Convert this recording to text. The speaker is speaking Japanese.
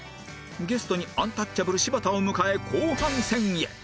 ゲストにアンタッチャブル柴田を迎え後半戦へ